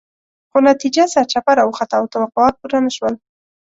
خو نتیجه سرچپه راوخته او توقعات پوره نه شول.